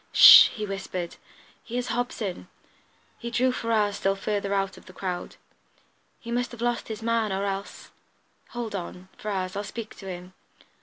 "H'sh!" he whispered. "Here's Hobson!" He drew Ferrars still further out of the crowd. "He must have lost his man, or else hold on, Ferrars; I'll speak to him."